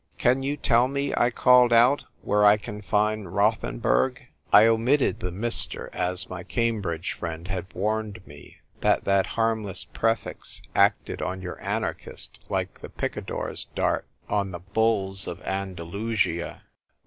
"Can you tell me," I called out, "where I can find Rothenburg ?" I omitted the Mr., as my Cambridge friend had warned me that that harmless prefix 56 THE TYPE WRITER GIRL. acted on your anarchist like the picador's dart on the bulls of Andalusia.